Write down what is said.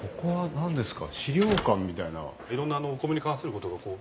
何ですか？